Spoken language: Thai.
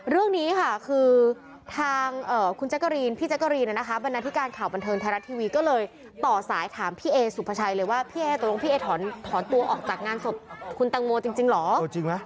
เรื่องนี้ค่ะคือทางคุณแจ๊กกะรีนพี่แจ๊กกะรีนนะคะบรรณาธิการข่าวบันเทิงไทยรัฐทีวีก็เลยต่อสายถามพี่เอสุภาชัยเลยว่าพี่เอตกลงพี่เอถอนตัวออกจากงานศพคุณตังโมจริงเหรอ